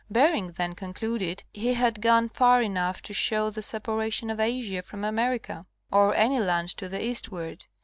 Bering then concluded he had gone far enough to show the separation of Asia from Amer ica, or any land to the eastward.